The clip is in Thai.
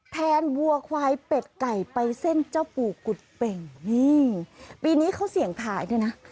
วัวควายเป็ดไก่ไปเส้นเจ้าปู่กุฎเป่งนี่ปีนี้เขาเสี่ยงทายด้วยนะ